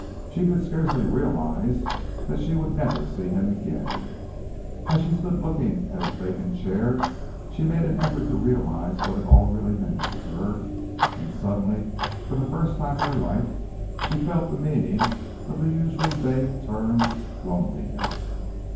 She could scarcely realize that she would never see him again. And as she stood looking at his vacant chair she made an effort to realize what it all really meant to her, and suddenly, for the first time in her life, she felt the meaning of the usually vague term loneliness.